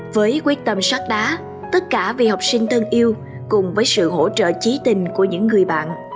với quyết tâm sát đá tất cả vì học sinh thân yêu cùng với sự hỗ trợ trí tình của những người bạn